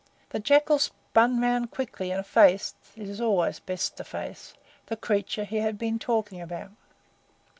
The Jackal spun round quickly and faced (it is always best to face) the creature he had been talking about.